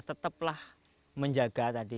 tetap lah menjaga tadi